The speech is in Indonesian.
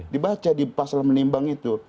dibaca di pasal menimbang itu